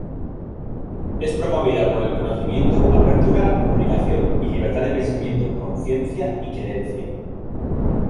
Es promovida por el conocimiento, apertura, comunicación, y libertad de pensamiento, conciencia y creencia.